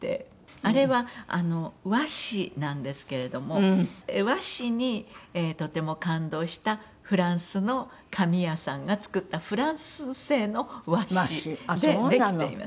あれは和紙なんですけれども和紙にとても感動したフランスの紙屋さんが作ったフランス製の和紙でできています。